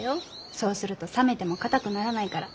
そうすると冷めてもかたくならないから。